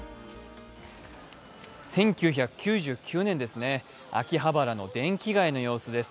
１９９９年、秋葉原の電気街の様子です。